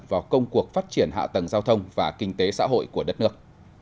vào công cuộc phát triển hạ tầng giao thông và kinh tế xã hội của đất nước